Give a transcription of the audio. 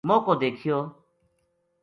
موقعو دیکھیو